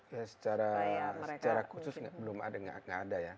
ya secara khusus belum ada ya